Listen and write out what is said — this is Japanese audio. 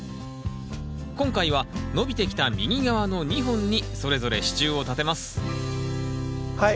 今回は伸びてきた右側の２本にそれぞれ支柱を立てますはい